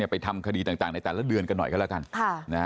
ไปทำคดีต่างในแต่ละเดือนกันหน่อยก็แล้วกัน